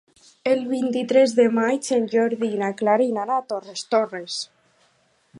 El vint-i-tres de maig en Jordi i na Clara iran a Torres Torres.